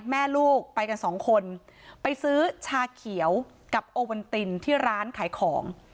แม่ลูกไปกันสองคนไปซื้อชาเขียวกับโอวันตินที่ร้านขายของ